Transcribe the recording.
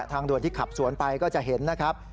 ทางด่วนที่ขับสวนไปก็จะเห็นนะครับ